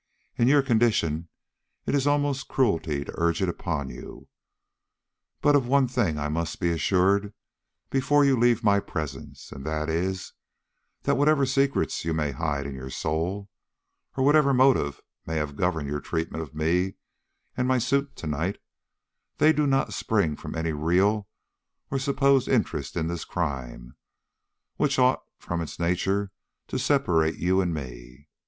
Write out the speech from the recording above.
In your condition it is almost cruelty to urge it upon you, but of one thing I must be assured before you leave my presence, and that is, that whatever secrets you may hide in your soul, or whatever motive may have governed your treatment of me and my suit to night, they do not spring from any real or supposed interest in this crime, which ought from its nature to separate you and me.